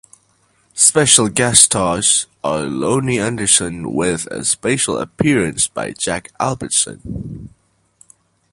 Special guest stars are Loni Anderson with a special appearance by Jack Albertson.